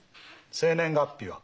生年月日は？